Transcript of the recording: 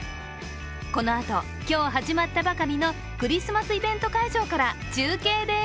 このあと、今日始まったばかりのクリスマスイベント会場から中継です。